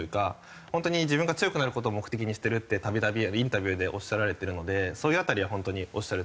ホントに自分が強くなる事を目的にしてるって度々インタビューでおっしゃられてるのでそういう辺りはホントにおっしゃるとおり。